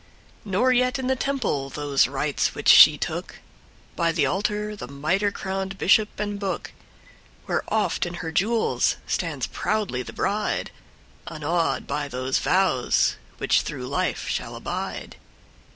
Nor yet in the temple those rites which she took,—By the altar, the mitre crowned bishop and book, Where oft in her jewels stands proudly the bride, Unawed by those vows which through life shall abide.